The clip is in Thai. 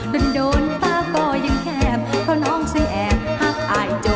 ดนโดนป้าก็ยังแคบเพราะน้องซื้อแอบฮักอายจงโฟง